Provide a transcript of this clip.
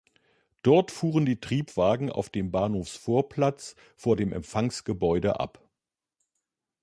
Dort fuhren die Triebwagen auf dem Bahnhofsvorplatz vor dem Empfangsgebäude ab.